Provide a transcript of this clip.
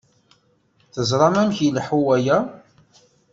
Teẓṛam amek i ileḥḥu waya?